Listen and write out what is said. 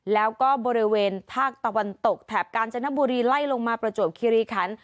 แล้วก็บริเวณภาคตะวันตกแถบกาญจนบุรีไล่ลงมาประจวบคิริคัน